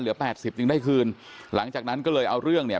แปดสิบจึงได้คืนหลังจากนั้นก็เลยเอาเรื่องเนี่ย